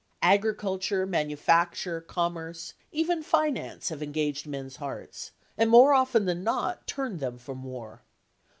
Agriculture, manufacture, commerce, even finance have engaged men's hearts, and more often than not turned them from war.